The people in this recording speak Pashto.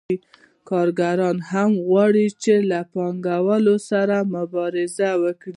کارګران هم غواړي چې له پانګوالو سره مبارزه وکړي